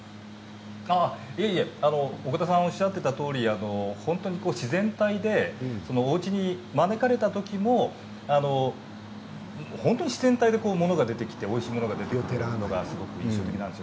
奥田さんがおっしゃっていたとおり本当に自然体でおうちに招かれた時も本当に自然体でものが出てきておいしいものが出てきてというのが印象的なんです。